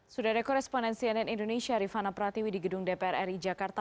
sudah ada koresponen cnn indonesia rifana pratiwi di gedung dpr ri jakarta